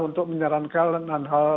untuk menyerangkan hal hal